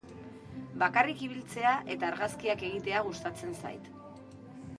Bakarrik ibiltzea eta argazkiak egitea gustatzen zait.